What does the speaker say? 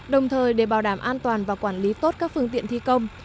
đồng thời để bảo đảm an toàn và quản lý tốt các phương tiện thi công